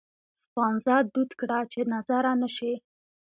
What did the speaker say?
سپانځه دود کړه چې نظره نه شي.